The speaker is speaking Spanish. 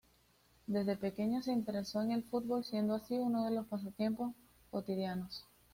Desde pequeño se interesó en el fútbol, siendo así uno de sus pasatiempos cotidianos.